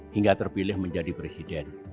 hingga terpilih menjadi presiden